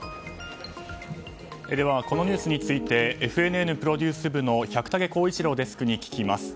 このニュースについてＦＮＮプロデュース部の百武弘一朗デスクに聞きます。